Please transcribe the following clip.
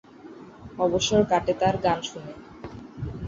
অবসর কাটে তার গান শুনে।